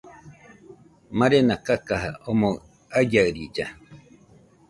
Marena kakaja omoɨ aiaɨrilla.